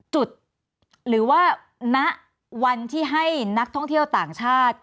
จุดหรือว่าณวันที่ให้นักท่องเที่ยวต่างชาติ